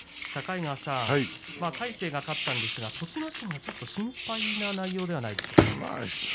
境川さん、魁聖が勝ったんですが栃ノ心がちょっと心配な内容ではないでしょうか。